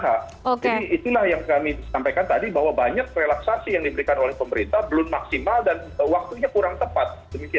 jadi itulah yang kami sampaikan tadi bahwa banyak relaksasi yang diberikan oleh pemerintah belum maksimal dan waktunya kurang tepat